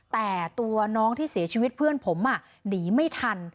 แต่ตัวน้องที่เสียชีวิตเพื่อนผมหนีไม่ทัน